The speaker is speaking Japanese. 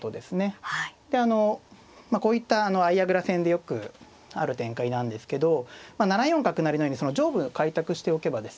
であのこういった相矢倉戦でよくある展開なんですけど７四角成のように上部開拓しておけばですね